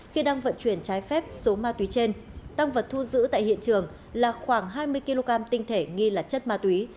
khi đang vận chuyển trái phép số ma túy trên tăng vật thu giữ tại hiện trường là khoảng hai mươi kg tinh thể nghi là chất ma túy